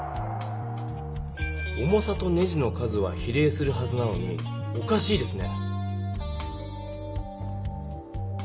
重さとネジの数は比例するはずなのにおかしいですね。